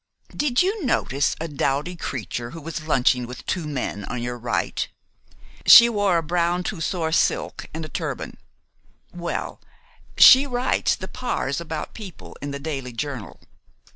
Did you notice a dowdy creature who was lunching with two men on your right? She wore a brown Tussore silk and a turban well, she writes the 'Pars About People' in 'The Daily Journal.'